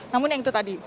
namun yang itu tadi